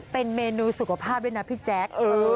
เป็นเมนูสุขภาพด้วยนะพี่แจ๊ค